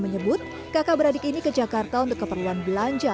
menyebut kakak beradik ini ke jakarta untuk keperluan belanja